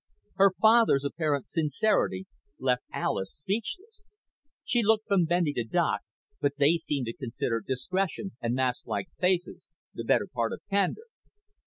Her father's apparent sincerity left Alis speechless. She looked from Bendy to Don, but they seemed to consider discretion and masklike faces the better part of candor.